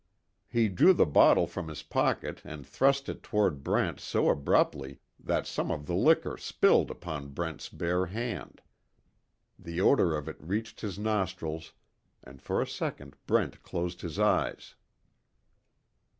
He drew the bottle from his pocket and thrust it toward Brent so abruptly that some of the liquor spilled upon Brent's bare hand. The odor of it reached his nostrils, and for a second Brent closed his eyes.